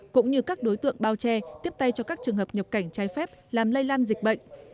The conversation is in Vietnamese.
cũng như các đối tượng bao che tiếp tay cho các trường hợp nhập cảnh trái phép làm lây lan dịch bệnh